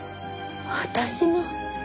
私の？